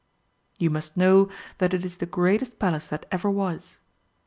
*^ You must know that it is the greatest Palace that ever was.